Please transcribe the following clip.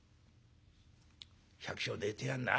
「百姓寝てやんな。